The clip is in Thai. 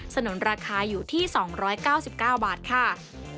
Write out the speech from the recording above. นุนราคาอยู่ที่๒๙๙บาทค่ะ